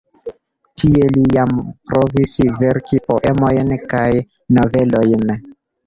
Tie li jam provis verki poemojn kaj novelojn.